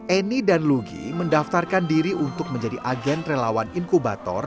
eni dan lugi mendaftarkan diri untuk menjadi agen relawan inkubator